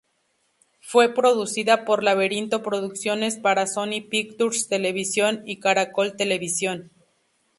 Fue producida por Laberinto Producciones para Sony Pictures Television y Caracol Televisión.